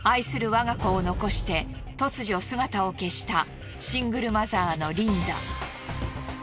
我が子を残して突如姿を消したシングルマザーのリンダ。